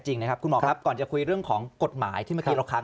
จริงนะครับคุณหมอครับก่อนจะคุยเรื่องของกฎหมายที่เมื่อกี้เราค้าง